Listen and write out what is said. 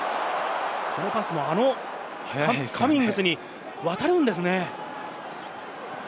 このパスも、あのカミングスに渡るんですね。